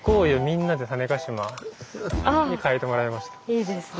いいですね。